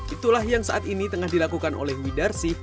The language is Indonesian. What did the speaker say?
itulah yang saat ini tengah dilakukan oleh widarsi